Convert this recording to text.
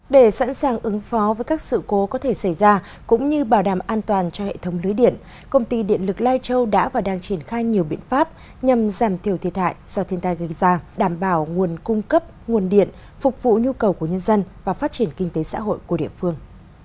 để sẵn sàng ứng phó với các sự cố có thể xảy ra cũng như bảo đảm an toàn cho hệ thống lưới điện công ty điện lực lai châu đã và đang triển khai nhiều biện pháp nhằm giảm thiểu thiệt hại do thiên tai gây ra đảm bảo nguồn cung cấp nguồn điện phục vụ nhu cầu của nhân dân và phát triển kinh tế xã hội của địa phương